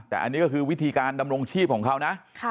แต่อันนี้ก็คือวิธีการดำรงชีพของเขานะ